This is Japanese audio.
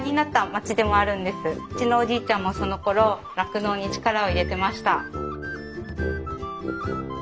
うちのおじいちゃんもそのころ酪農に力を入れてました。